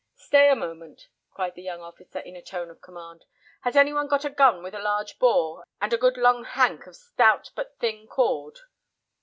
"Stay a moment," cried the young officer, in a tone of command. "Has any one got a gun with a large bore, and a good long hank of stout but thin cord?"